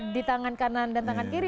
di tangan kanan dan tangan kiri